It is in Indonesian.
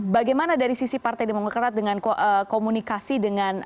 bagaimana dari sisi partai yang mengerat dengan komunikasi dengan